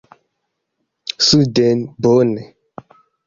“Suden”, bone.